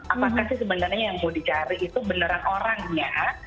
apakah sih sebenarnya yang mau dicari itu beneran orangnya